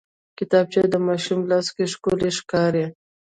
کتابچه د ماشوم لاس کې ښکلي ښکاري